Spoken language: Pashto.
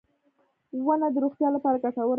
• ونه د روغتیا لپاره ګټوره ده.